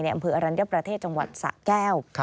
อำเภออรัญญประเทศจังหวัดสะแก้ว